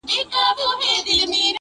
اوس مي د كلي ماسومان ځوروي~